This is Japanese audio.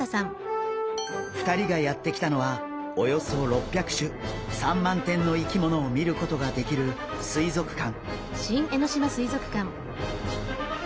２人がやって来たのはおよそ６００種３万点の生き物を見ることができる水族館。